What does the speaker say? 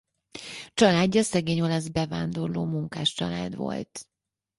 Családja szegény olasz bevándorló munkáscsalád volt.